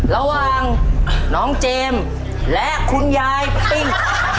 ระหว่างน้องเจมส์และคุณยายปิง